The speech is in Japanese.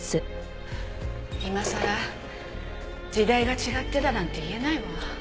今さら時代が違ってたなんて言えないわ。